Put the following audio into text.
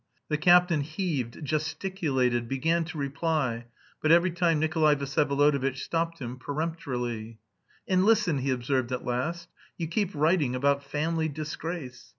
The captain heaved, gesticulated, began to reply, but every time Nikolay Vsyevolodovitch stopped him peremptorily. "And listen," he observed at last, "you keep writing about 'family disgrace.'